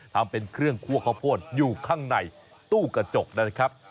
ทำเป็นเครื่องคั่วข้าวโพดอยู่ข้างในตู้กระจกนะครับ